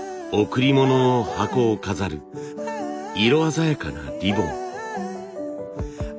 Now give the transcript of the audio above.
贈り物の箱を飾る色鮮やかなリボン。